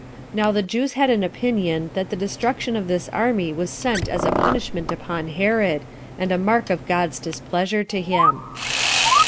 Now the Jews had an opinion that the destruction of this army was sent as a punishment upon Herod, and a mark of God's displeasure to him.